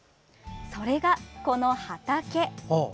それが、この畑。